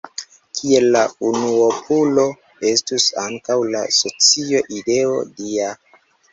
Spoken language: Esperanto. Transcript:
Kiel la unuopulo estus ankaŭ la socio ideo dia.